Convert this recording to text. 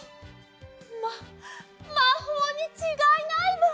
ままほうにちがいないわ！